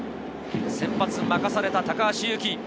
先発を任された高橋優貴。